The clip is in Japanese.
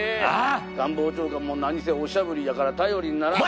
「官房長官も何せおしゃぶりやから頼りにならん」